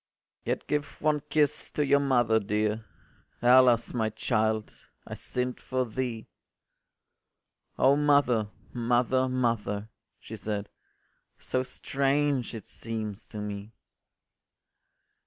” “Yet give one kiss to your mother dear! Alas, my child, I sinn’d for thee.” “O mother, mother, mother,” she said, “So strange it seems to me.